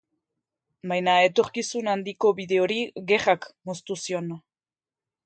Baina etorkizun handiko bide hori gerrak moztu zion.